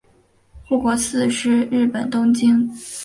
护国寺是日本东京都文京区大冢五丁目的真言宗丰山派寺院。